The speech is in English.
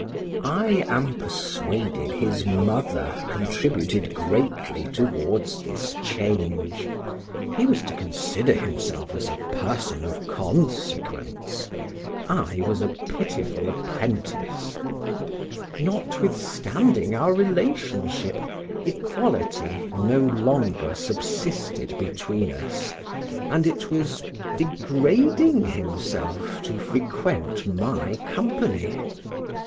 I am persuaded his mother contributed greatly towards this change; he was to consider himself as a person of consequence, I was a pitiful apprentice; notwithstanding our relationship, equality no longer subsisted between us, and it was degrading himself to frequent my company.